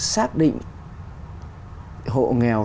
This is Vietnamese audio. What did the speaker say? xác định hộ nghèo